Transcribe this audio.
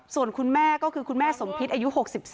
ส่วนคุณแม่ก็คือคุณแม่สมพิษอายุ๖๔